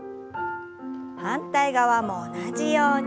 反対側も同じように。